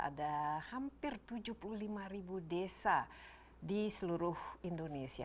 ada hampir tujuh puluh lima ribu desa di seluruh indonesia